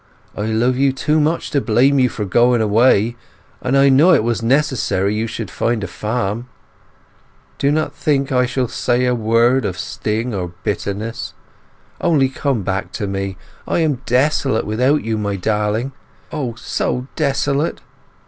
I love you too much to blame you for going away, and I know it was necessary you should find a farm. Do not think I shall say a word of sting or bitterness. Only come back to me. I am desolate without you, my darling, O, so desolate!